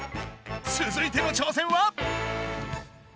つづいての挑戦は。